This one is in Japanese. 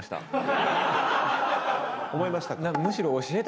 思いました。